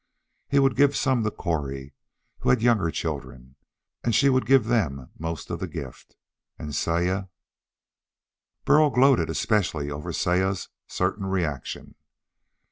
He would give some to Cori, who had younger children, and she would give them most of the gift. And Saya . Burl gloated especially over Saya's certain reaction.